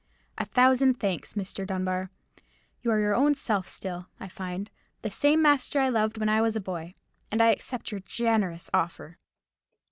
A thousand thanks, Mr. Dunbar. You are your own self still, I find; the same master I loved when I was a boy; and I accept your generous offer."